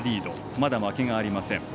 まだ負けがありません。